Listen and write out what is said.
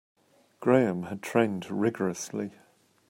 Graham had trained rigourously.